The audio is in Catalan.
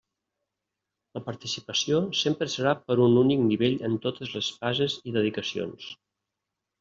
La participació sempre serà per un únic nivell en totes les fases i dedicacions.